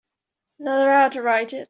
Another hour to write it.